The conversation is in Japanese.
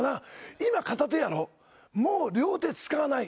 今、片手やろ、もう両手使わない。